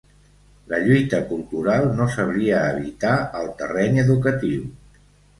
La lluita cultural no sabria evitar el terreny educatiu.